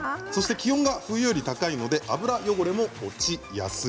気温が冬より高いので油汚れも落ちやすい。